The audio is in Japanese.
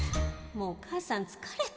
もう母さんつかれた。